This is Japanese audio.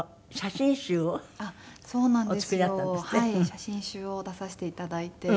写真集を出させて頂いて。